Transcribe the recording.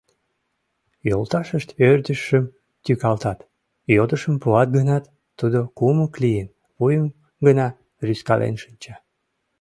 Йолташышт ӧрдыжшым тӱкалтат, йодышым пуат гынат, тудо, кумык лийын, вуйым гына рӱзкален шинча.